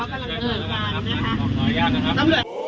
ขออนุญาตนะครับ